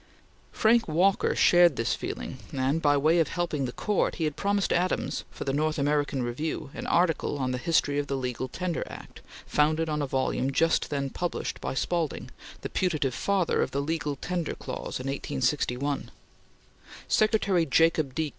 Frank Walker shared this feeling, and, by way of helping the Court, he had promised Adams for the North American Review an article on the history of the Legal Tender Act, founded on a volume just then published by Spaulding, the putative father of the legal tender clause in 1861. Secretary Jacob D.